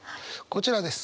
こちらです。